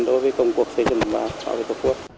đối với công cuộc xây dựng và xã hội tổ quốc